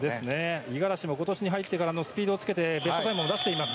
五十嵐、今年に入って力をつけてベストタイムを出しています。